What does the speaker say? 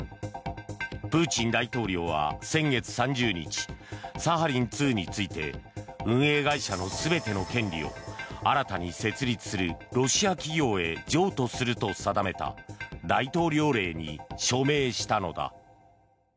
プーチン大統領は先月３０日サハリン２について運営会社の全ての権利を新たに設立するロシア企業へ譲渡すると定めた大統領令に署名したのだ。